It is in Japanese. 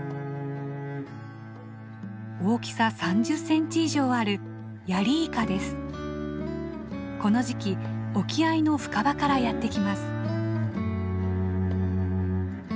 大きさ３０センチ以上あるこの時期沖合の深場からやって来ます。